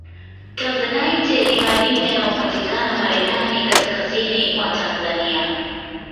tanzanite ni madini yanayopatikana mererani kaskazini mwa tanzania